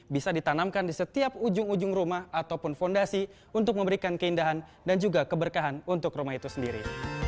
bisa ditanamkan di setiap ujung ujung rumah ataupun fondasi untuk memberikan keindahan dan juga keberkahan untuk rumah itu sendiri